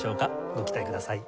ご期待ください。